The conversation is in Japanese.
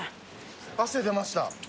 汗出ました。